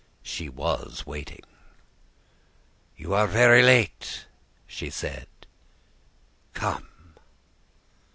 She was waiting. "'You are very late,' she said. 'Come.